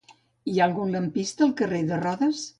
Hi ha algun lampista al carrer de Rodes?